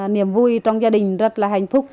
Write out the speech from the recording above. niềm vui trong gia đình rất là hạnh phúc